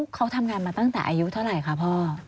เขาทำงานมาตั้งแต่อายุเท่าไหร่คะพ่อ